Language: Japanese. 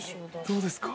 どうですか？